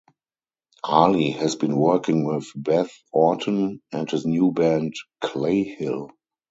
Ali has been working with Beth Orton and his new band Clayhill.